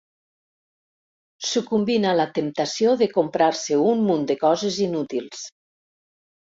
Sucumbint a la temptació de comprar-se un munt de coses inútils.